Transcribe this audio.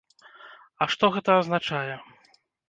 А што гэта азначае?